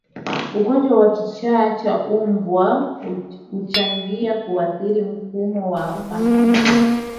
Ugonjwa wa kichaa cha mbwa huchangia kuathiri mfumo wa fahamu